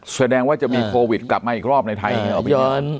แสดงว่าจะมีโควิดกลับมาอีกรอบในไทย